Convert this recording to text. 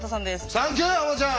サンキューハマちゃん！